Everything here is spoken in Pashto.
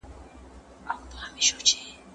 زه د خپلو غاښونو په مینځلو بوخت یم.